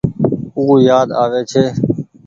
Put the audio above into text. او يآد آوي ڇي۔